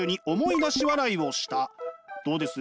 どうです？